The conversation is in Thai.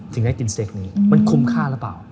ได้กินสเต็กนี้มันคุ้มค่าหรือเปล่า